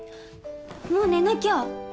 もう寝なきゃ！